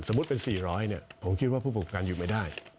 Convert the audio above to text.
เป็น๔๐๐ผมคิดว่าผู้ประกอบการอยู่ไม่ได้